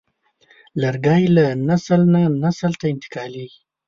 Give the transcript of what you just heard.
لرګی له نسل نه نسل ته انتقالېږي.